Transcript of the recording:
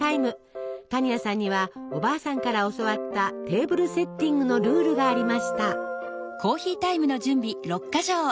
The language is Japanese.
多仁亜さんにはおばあさんから教わったテーブルセッティングのルールがありました。